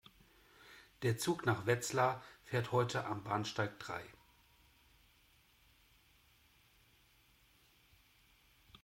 Der Zug nach Wetzlar fährt heute am Bahnsteig drei